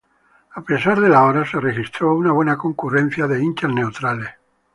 A pesar de la hora, se registró una buena concurrencia de hinchas neutrales.